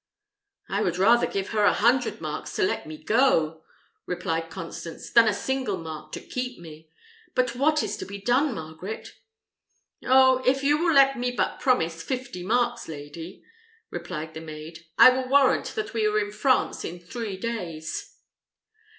"I would rather give her a hundred marks to let me go," replied Constance, "than a single mark to keep me. But what is to be done, Margaret?" "Oh, if you will let me but promise fifty marks, lady," replied the maid, "I will warrant that we are in France in three days."